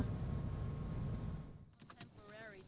chuyến tàu hòa bình